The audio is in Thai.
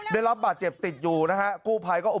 ได้รับบาดเจ็บติดอยู่นะครับ